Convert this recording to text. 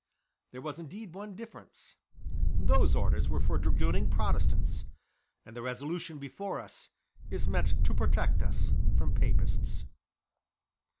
There was indeed one difference: those orders were for dragooning Protestants, and the resolution before us is meant to protect us from Papists."